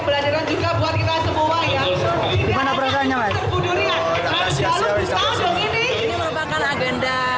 berani juga buat kita semua ya gimana perangkatnya